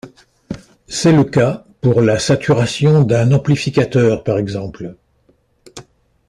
C'est le cas pour la saturation d'un amplificateur, par exemple.